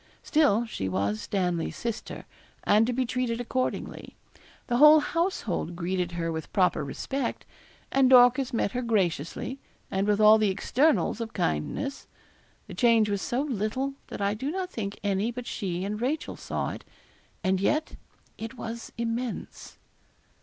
Still she was Stanley's sister, and to be treated accordingly. The whole household greeted her with proper respect, and Dorcas met her graciously, and with all the externals of kindness. The change was so little, that I do not think any but she and Rachel saw it; and yet it was immense.